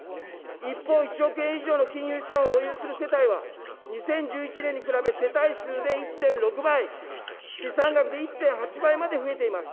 一方、１億円以上の金融資産を保有する世帯は、２０１１年に比べ世帯数で１．６倍、資産額で１．８倍まで増えています。